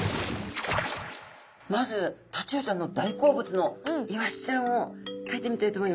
まずタチウオちゃんの大好物のイワシちゃんをかいてみたいと思います。